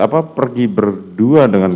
pergi berdua dengan